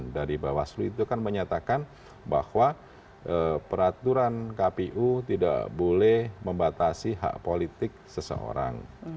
dari bawaslu itu kan menyatakan bahwa peraturan kpu tidak boleh membatasi hak politik seseorang